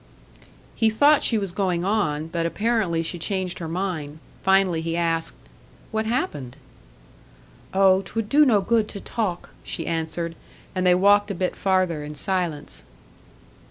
He thought she was going on, but apparently she changed her mind. Finally he asked, "What happened?" "Oh, 'twould do no good to talk," she answered; and they walked a bit farther in silence.